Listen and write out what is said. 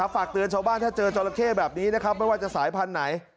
ฝากเตือนชาวบ้านถ้าเจอจราเข้แบบนี้นะครับไม่ว่าจะสายพันธุ์ไหน